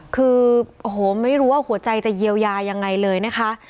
คือโอ้โหไม่รู้ว่าหัวใจจะเยียวยายังไงเลยนะคะ